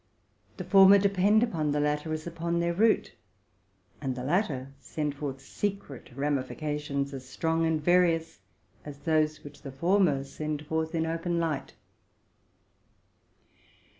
'The former depend upon the latter as upon their root, and the latter send forth secret ramifications as strong and as various as those which the former send forth in open light.